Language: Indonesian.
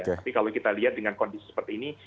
tapi kalau kita lihat dengan kondisi seperti ini